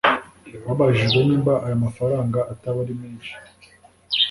Babajijwe niba aya mafaranga ataba ari menshi